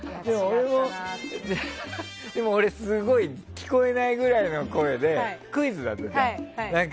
でも俺聞こえないくらいの声でクイズだったじゃん。